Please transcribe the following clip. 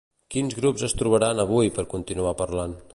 Quins grups es trobaran avui per continuar parlant?